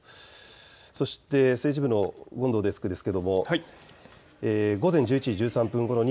そして政治部の権藤デスク、午前１１時１３分ごろに